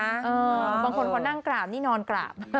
เอ้อบางคนคนนั่งกราบนี่นอนกราบ